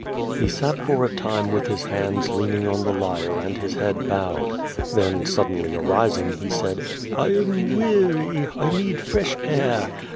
He sat for a time Avith his hands leaning on the lyre and his head bowed. Then suddenly arising, he said: "I am weary; I need fresh air.